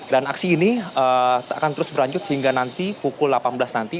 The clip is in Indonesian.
dan aksi ini akan terus berlanjut sehingga nanti pukul delapan belas nanti